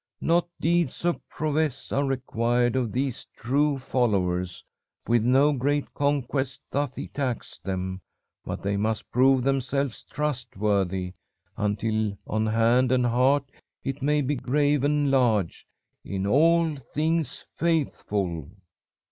Not deeds of prowess are required of these true followers, with no great conquests doth he tax them, but they must prove themselves trustworthy, until on hand and heart it may be graven large, "_In all things faithful.